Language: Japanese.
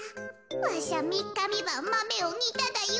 わしゃみっかみばんマメをにただよ。